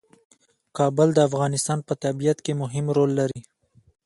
کابل د افغانستان په طبیعت کې مهم رول لري.